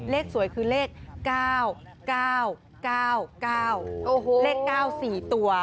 เลขสวยคือเลข๙๙๙๙๙เลข๙๔ตัว